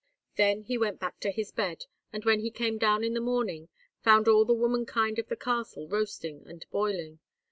Then he went back to his bed, and when he came down in the morning, found all the womankind of the castle roasting and boiling.